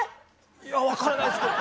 いや分からないですけど。